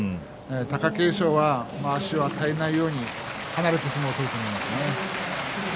貴景勝は、まわしを与えないように離れて相撲を取ると思いますね。